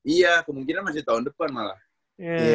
iya kemungkinan masih tahun depan malah